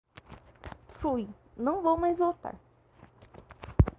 Fui! Não vou mais voltar.